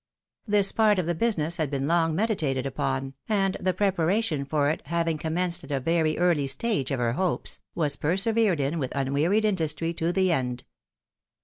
This part of the business had been long meditated upon, and the preparation for it having commenced at a very early stage of her hopes, was persevered in with unwearied industry to the end.